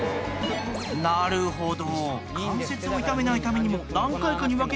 なるほど。